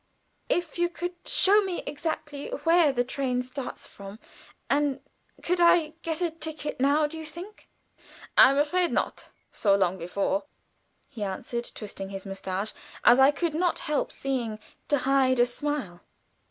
_" "If you could show me exactly where the train starts from, and could I get a ticket now, do you think?" "I'm afraid not, so long before," he answered, twisting his mustache, as I could not help seeing, to hide a smile.